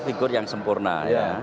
figur yang sempurna ya